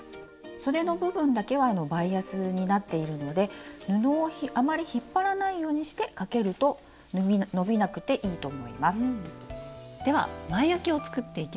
そでの部分だけはバイアスになっているので布をあまり引っ張らないようにしてかけると伸びなくていいと思います。